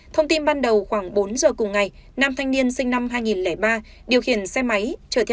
thông tin ban đầu khoảng bốn giờ cùng ngày nam thanh niên sinh năm hai nghìn ba điều khiển xe máy chở theo